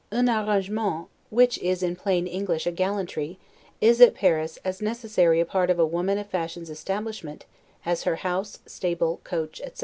'Un arrangement', which is in plain English a gallantry, is, at Paris, as necessary a part of a woman of fashion's establishment, as her house, stable, coach, etc.